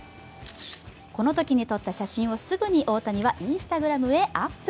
このときに撮った写真をすぐに大谷はＩｎｓｔａｇｒａｍへアップ。